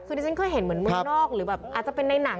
คุณพี่ฉันเคยเห็นเหมือนเมืองนอกหรืออยากเป็นในหนัง